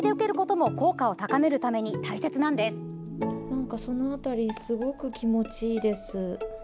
なんか、その辺りすごく気持ちいいです。